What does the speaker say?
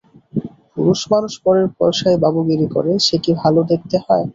পুরুষমানুষ পরের পয়সায় বাবুগিরি করে, সে কি ভালো দেখতে হয়।